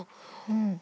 うん。